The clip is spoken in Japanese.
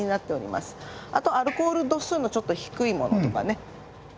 あとアルコール度数のちょっと低いものとかね。